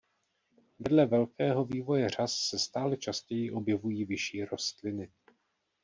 Vedle velkého vývoje řas se stále častěji objevují vyšší rostliny.